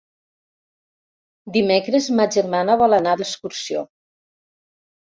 Dimecres ma germana vol anar d'excursió.